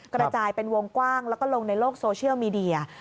กระจายเป็นวงกว้างแล้วก็ลงในโลกโซเชียลมีเดีย